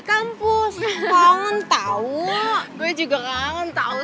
kangen banget walau ter exhausting